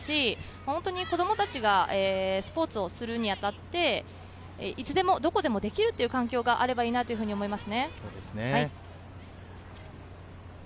本当に子供たちがスポーツをするにあたって、いつでもどこでもできるという環境があればいいなと思います。